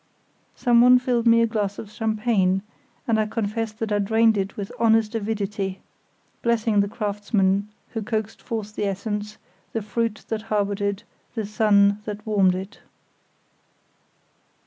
Someone filled me a glass of champagne, and I confess that I drained it with honest avidity, blessing the craftsman who coaxed forth the essence, the fruit that harboured it, the sun that warmed it.